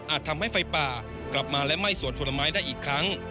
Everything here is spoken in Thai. ทำให้ไฟป่ากลับมาและไหม้สวนผลไม้ได้อีกครั้ง